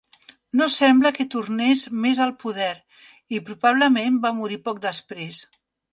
No sembla que tornés més al poder i probablement va morir poc després.